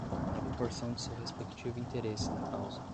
na proporção de seu respectivo interesse na causa